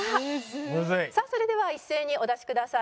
「むずい」さあそれでは一斉にお出しください。